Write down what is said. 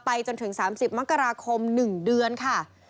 จนถึง๓๐มกราคม๑เดือนค่ะ